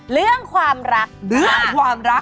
เรื่องความรัก